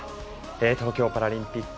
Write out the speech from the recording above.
東京パラリンピック